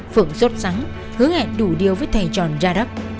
phượng rốt rắn hứa hẹn đủ điều với thầy tròn gia đúc